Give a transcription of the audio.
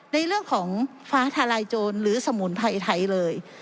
ในเรื่องของฟ้าทลายโจรหรือสมุนไพรไทยเลย